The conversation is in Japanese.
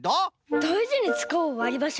だいじにつかおうわりばしを。